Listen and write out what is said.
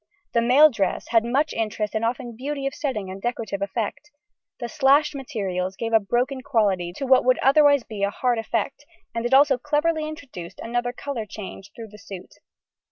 The male dress had much interest and often beauty of setting and decorative effect. The slashed materials gave a broken quality to what would otherwise be a hard effect, and it also cleverly introduced another colour change through the suit.